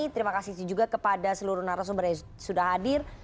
terima kasih juga kepada seluruh narasumber yang sudah hadir